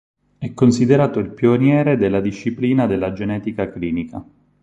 È considerato il pioniere della disciplina della genetica clinica.